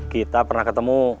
kita pernah ketemu